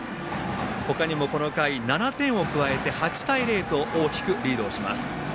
他にもこの回、７点を加えて８対０と大きくリードをします。